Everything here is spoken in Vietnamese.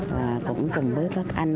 và cũng cùng với các anh